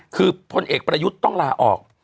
คือพลเอกประยุทธ์ต้องลาออก